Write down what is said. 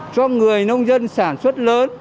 cho người nông dân sản xuất lớn